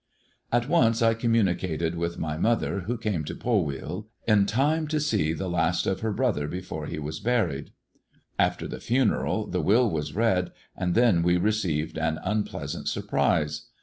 At once I communicated with my mother, who came to Pol wheal in time to see the last of her brother, before he was buried. After the funeral, the will was read, and then we received an unpleasant surprise.